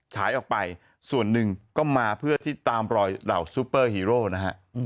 ฉายออกไปส่วนหนึ่งก็มาเพื่อที่ตามรอยเหล่าซูเปอร์ฮีโร่นะฮะ